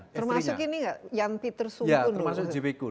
termasuk ini gak yang peter soekun